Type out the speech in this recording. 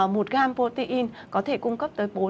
một gam protein có thể cung cấp tới bốn g